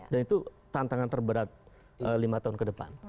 dan itu tantangan terberat lima tahun ke depan